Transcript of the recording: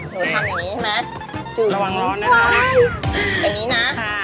หนูทำอย่างนี้ใช่ไหม